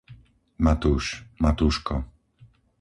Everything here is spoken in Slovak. Matúš, Matúško